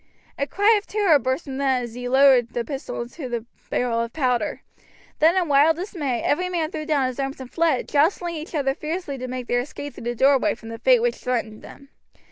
A cry of terror burst from them as he lowered the pistol to the barrel of powder. Then in wild dismay every man threw down his arms and fled, jostling each other fiercely to make their escape through the doorway from the fate which threatened them.